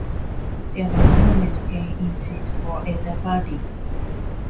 There was no net gain in seats for either party.